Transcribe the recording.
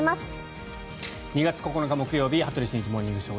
２月９日、木曜日「羽鳥慎一モーニングショー」。